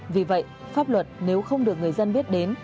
vì vậy pháp luật nếu không được người dân biết đến